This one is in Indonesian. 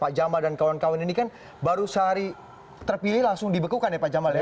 pak jamal dan kawan kawan ini kan baru sehari terpilih langsung dibekukan ya pak jamal ya